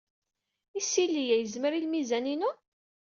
Isili-a yezmer i lmizan-inu?